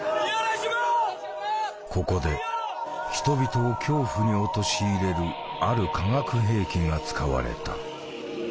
ここで人々を恐怖に陥れるある化学兵器が使われた。